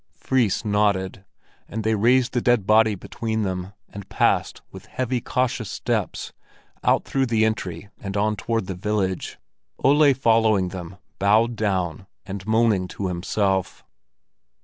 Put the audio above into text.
Fris nodded, and they raised the dead body between them, and passed with heavy, cautious steps out through the entry and on toward the village, Ole following them, bowed down and moaning to himself.